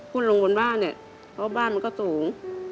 ขึ้นลงบนบ้านเพราะว่าบ้านมันก็สูง